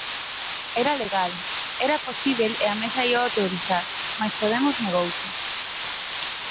Era legal, era posíbel e a Mesa íao autorizar, mais Podemos negouse.